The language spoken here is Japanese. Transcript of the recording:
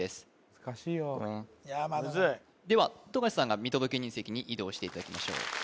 難しいよムズいでは富樫さんが見届け人席に移動していただきましょう